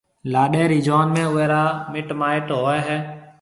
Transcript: لاڏَي رِي جان ۾ اوئيَ را مِٽ مائيٽ ھوئيَ ھيََََ